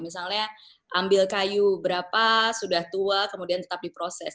misalnya ambil kayu berapa sudah tua kemudian tetap diproses